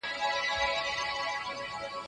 د کورنیو مطالعه د دې علم اصلي دنده ده.